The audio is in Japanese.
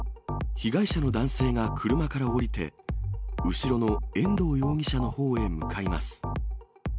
被害者の男性が車から降りて、後ろの遠藤容疑者のほうへ向かいます。